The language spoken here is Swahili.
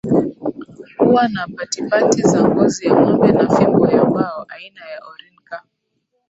Huwa na patipati za ngozi ya ngombe na fimbo ya mbao aina ya Orinka